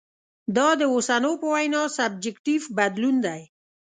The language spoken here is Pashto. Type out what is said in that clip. دا د اوسنو په وینا سبجکټیف بدلون دی.